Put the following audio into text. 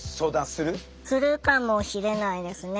するかもしれないですね。